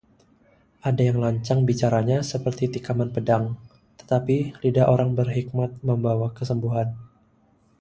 Ada yang lancang bicaranya seperti tikaman pedang, tetapi lidah orang berhikmat membawa kesembuhan.